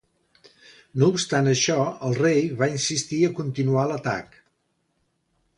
No obstant això, el rei va insistir a continuar l'atac.